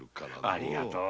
ありがとう。